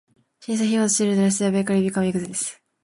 Since he was childless, the barony became extinct.